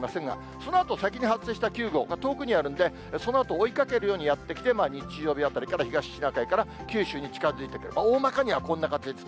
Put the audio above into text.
そのあと先に発生した９号は遠くにあるんで、そのあとを追いかけるようにやって来て、日曜日あたりから東シナ海から九州に近づいてくる、大まかにはこんな感じです。